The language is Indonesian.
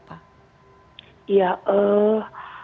dan ini adalah bentuk pemerkosaan